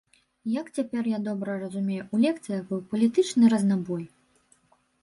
Як цяпер я добра разумею, у лекцыях быў палітычны разнабой.